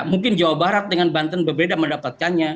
mungkin jawa barat dengan banten berbeda mendapatkannya